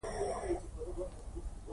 ګلبهاره ګړد به خوشحاله شي